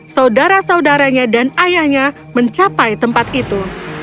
saudara saudaranya dan ayahnya mencapai tempat itu